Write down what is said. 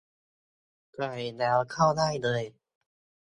ใส่แล้วเข้าได้เลย